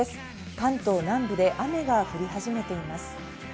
関東南部で雨が降り始めています。